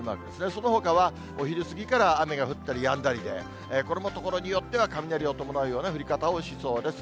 そのほかはお昼過ぎから雨が降ったりやんだりで、これも所によっては雷を伴うような降り方をしそうです。